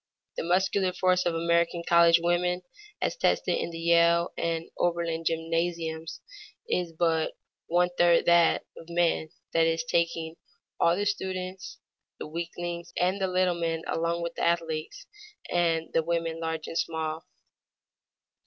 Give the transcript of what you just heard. The muscular force of American college women as tested in the Yale and the Oberlin gymnasiums is but one third that of men, that is, taking all the students, the weaklings and the little men along with the athletes, and the women large and small.